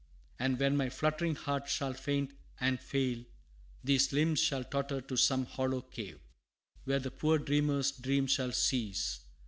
And when my fluttering heart shall faint and fail, These limbs shall totter to some hollow cave, Where the poor Dreamer's dream shall cease.